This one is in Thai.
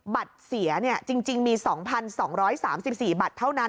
บัตรเสียจริงมี๒๒๓๔บัตรเท่านั้น